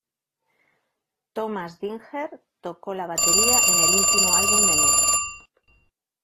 Thomas Dinger tocó la batería en el último álbum de Neu!